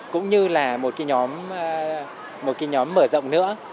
cũng như là một cái nhóm mở rộng nữa